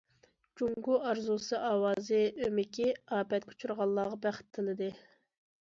« جۇڭگو ئارزۇسى ئاۋازى» ئۆمىكى ئاپەتكە ئۇچرىغانلارغا بەخت تىلىدى.